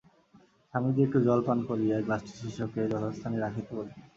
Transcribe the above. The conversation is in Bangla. স্বামীজী একটু জল পান করিয়া গ্লাসটি শিষ্যকে যথাস্থানে রাখিতে বলিলেন।